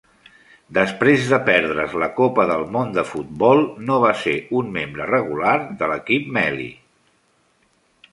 Després de perdre's la Copa del Món de Futbol, no va ser un membre regular de l'Equip Melli.